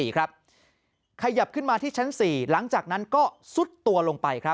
ขยับขึ้นมาที่ชั้น๔หลังจากนั้นก็ซุดตัวลงไป